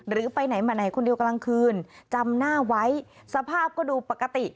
ไปไหนมาไหนคนเดียวกลางคืนจำหน้าไว้สภาพก็ดูปกติ